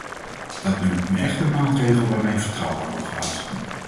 Dat noem ik nu echt een maatregel waarmee vertrouwen wordt opgebouwd.